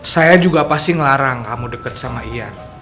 saya juga pasti ngelarang kamu deket sama ia